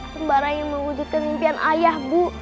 sembara ingin mewujudkan mimpian ayah bu